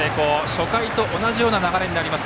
初回と同じような流れになります。